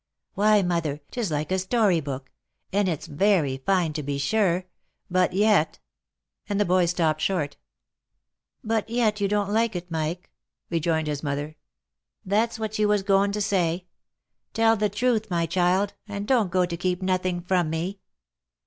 " Why mother, 'tis like a story book — and it's very fine to be sure — but yet —" And the boy stopped short. "But yet you don't like it, Mike?" rejoined his mother. " That's what you was going to say. Tell the" truth, my child, and don't go to keep nothing from me."